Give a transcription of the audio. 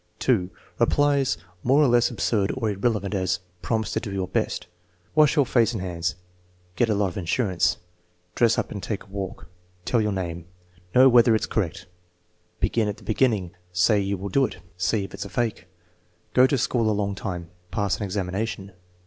(2) Replies more or less absurd or irrelevant; as: "Promise to do your best." "Wash your face and hands." "Get a lot of insurance." "Dress up and take a walk." "Tell your name." "Know whether it's correct." "Begin at the beginning." "Say you will do it." "See if it's a fake." "Go to school a long time." "Pass an examination."